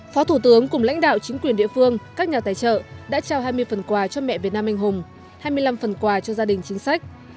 phó thủ tướng cùng lãnh đạo chính quyền địa phương các nhà tài trợ đã trao hai mươi phần quà cho mẹ việt nam anh hùng hai mươi năm phần quà cho gia đình chính sách